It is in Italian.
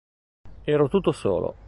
Ero tutto solo.